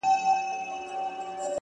هغې ويل په پوري هديره كي ښخ دى .!